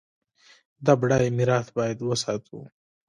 دا بډایه میراث باید وساتو.